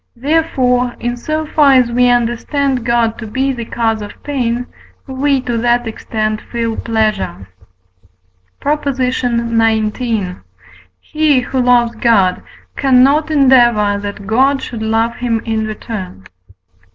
therefore, in so far as we understand God to be the cause of pain, we to that extent feel pleasure. PROP. XIX. He, who loves God, cannot endeavour that God should love him in return.